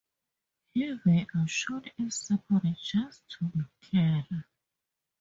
Here they are shown as separate just to be clearer.